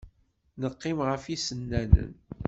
Neqqim ɣef yisennanen.